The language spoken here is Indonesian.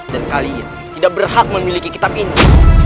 dan kalian tidak berhak memiliki kitab ini